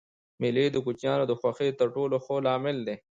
مېلې د کوچنيانو د خوښۍ تر ټولو ښه لامل دئ.